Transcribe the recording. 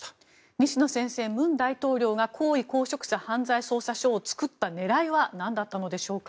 西野先生、文大統領が高位公職者犯罪捜査処を作った狙いはなんだったのでしょうか。